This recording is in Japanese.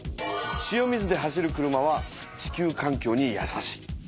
塩水で走る車は地球環境にやさしい。